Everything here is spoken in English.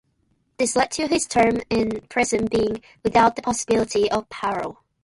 This led to his term in prison being without the possibility of parole.